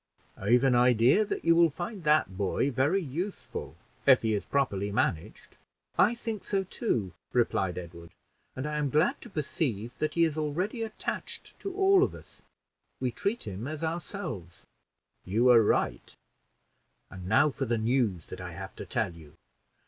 "I've an idea that you will find that boy very useful, if he is properly managed." "I think so too," replied Edward; "and I am glad to perceive that he is already attached to all of us. We treat him as ourselves." "You are right; and now for the news that I have to tell you.